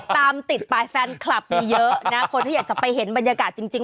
ตามติดไปแฟนคลับมีเยอะนะคนที่อยากจะไปเห็นบรรยากาศจริง